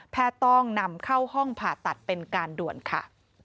ต้องนำเข้าห้องผ่าตัดเป็นการด่วนค่ะ